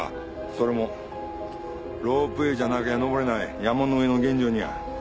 それもロープウエーじゃなきゃ登れない山の上の現場にや。